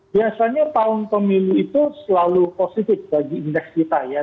biasanya tahun pemilu itu selalu positif bagi indeks kita ya